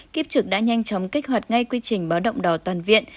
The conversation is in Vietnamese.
kiếp trực đã nhanh chóng kích hoạt ngay quy trình báo động đỏ toàn viện